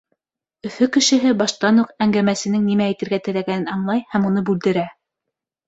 Өфө кешеһе баштан уҡ әңгәмәсенең нимә әйтергә теләгәнен аңлай һәм уны бүлдерә.